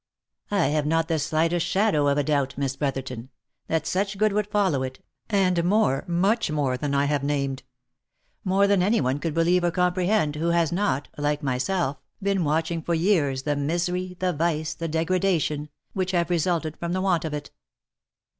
" I have not the slightest shadow of a doubt, Miss Brotherton, that such good would follow it, and more, much more, than I have named — more than any one could believe or comprehend, who has not, like myself, been watching for years the misery, the vice, the degradation, which have resulted from the want of it."